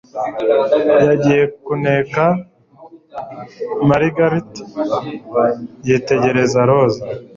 yagiye kuneka marguerite, yitegereza roza